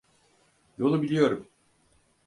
Yolu biliyorum.